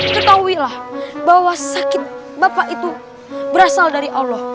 ketahuilah bahwa sakit bapak itu berasal dari allah